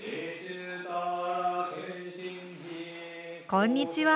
こんにちは。